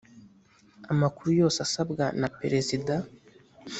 amakuru yose asabwa na perezida